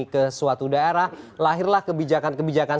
ke suatu daerah lahirlah kebijakan kebijakan